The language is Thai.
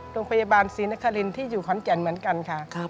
โรงพยาบาลศรีนครินที่อยู่ขอนแก่นเหมือนกันค่ะ